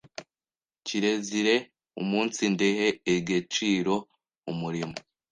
Kirezire umunsidehe egeciro umurimo